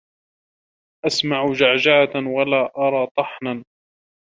أسمع جعجعة ولا أرى طحنا